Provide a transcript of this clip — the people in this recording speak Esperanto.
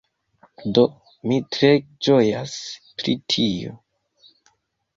Do, mi tre ĝojas pri tio